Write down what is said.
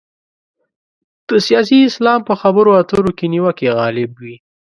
د سیاسي اسلام په خبرو اترو کې نیوکې غالب وي.